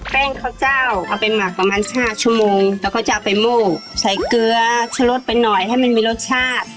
แป้งข้าวเจ้าเอาไปหมักประมาณห้าชั่วโมงแล้วก็จะเอาไปมูกใส่เกลือชะลดไปหน่อยให้มันมีรสชาติ